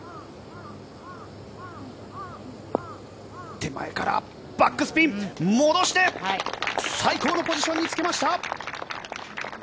手前からバックスピン、戻して、最高のポジションにつけました。